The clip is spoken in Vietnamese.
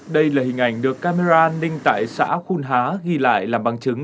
đây là hình ảnh được camera an ninh tại xã khuôn há ghi lại làm bằng chứng